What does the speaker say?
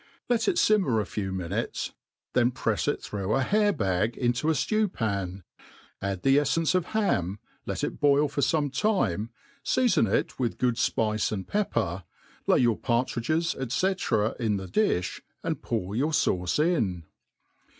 et it fimmer a few minutes, then prefs it through a hair* bag into a ftew^pan, add the efTence of ham, let it boil fo# fome time, feafon it with good fpice and .pepper, Jay yourpar'^* tridges, &c« in the difii, and pour your fauce in.